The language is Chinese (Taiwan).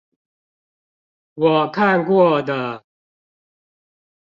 我看過的